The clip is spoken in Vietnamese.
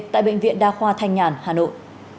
tại bệnh viện đa khoa thanh nhàn hà nội